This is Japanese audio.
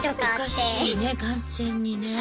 おかしいね完全にね。